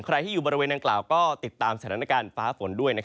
ใครที่อยู่บริเวณดังกล่าวก็ติดตามสถานการณ์ฟ้าฝนด้วย